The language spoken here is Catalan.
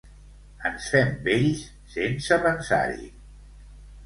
Ens fem vells, sense pensar-hi.